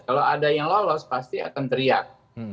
kalau ada yang lolos pasti akan teriak